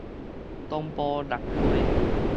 東埔蚋溪